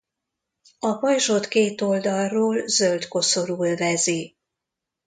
A pajzsot két oldalról zöld koszorú övezi.